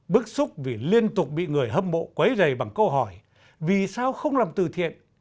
bức xúc vì liên tục bị người hâm mộ quấy rầy bằng câu hỏi vì sao không làm từ thiện